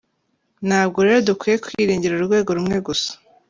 Ntabwo rero dukwiye kwiringira urwego rumwe gusa.